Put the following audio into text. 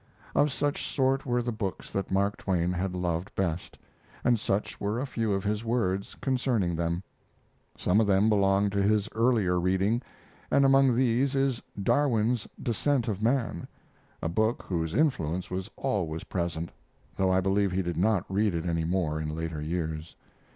Of such sort were the books that Mark Twain had loved best, and such were a few of his words concerning them. Some of them belong to his earlier reading, and among these is Darwin's 'Descent of Man', a book whose influence was always present, though I believe he did not read it any more in later years.